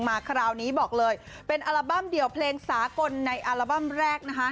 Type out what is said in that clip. มาคราวนี้บอกเลยเป็นอัลบั้มเดี่ยวเพลงสากลในอัลบั้มแรกนะคะ